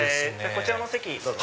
こちらのお席どうぞ。